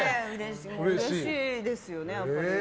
うれしいですよね、やっぱり。